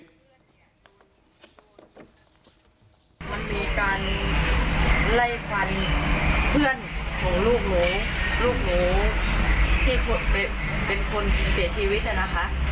มันมีการไล่ฟันเพื่อนของลูกหนูลูกหนูที่เป็นคนเสียชีวิตน่ะนะคะ